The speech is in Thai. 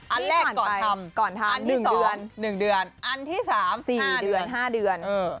อันแรกก่อนทำอันที่สอง๑เดือนอันที่สาม๔เดือน๕เดือน